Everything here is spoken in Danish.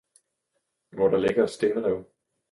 hvor der ligger et stenrev